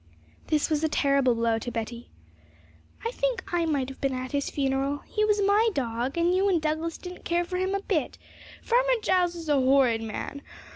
This was a terrible blow to Betty. 'I think I might have been at his funeral; he was my dog, and you and Douglas didn't care for him a bit! Farmer Giles is a horrid man!